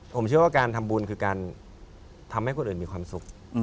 ผมเชื่อว่าการทำบุญคือการทำให้คนอื่นมีความสุข